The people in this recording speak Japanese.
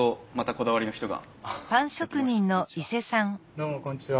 どうもこんにちは。